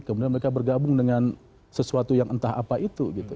kemudian mereka bergabung dengan sesuatu yang entah apa itu gitu